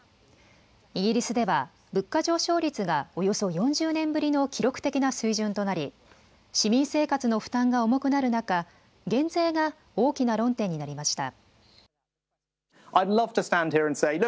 イギリスでは物価上昇率がおよそ４０年ぶりの記録的な水準となり市民生活の負担が重くなる中、減税が大きな論点になりました。